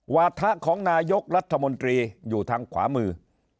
วาถะของนายกรัฐมนตรีอยู่ทางขวามือ